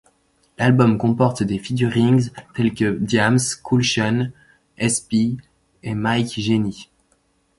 L'album comporte des featurings tels que Diam's, Kool Shen, S-Pi et Mike Génie.